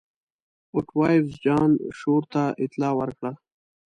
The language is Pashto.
اوټوایفز جان شور ته اطلاع ورکړه.